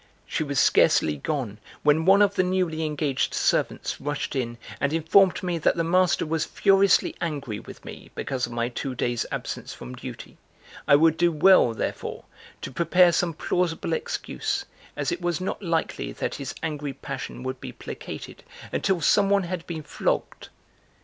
She was scarcely gone when) one of the newly engaged servants rushed in and informed me that the master was furiously angry with me because of my two days' absence from duty; I would do well, therefore, to prepare some plausible excuse, as it was not likely that his angry passion would be placated until someone had been flogged.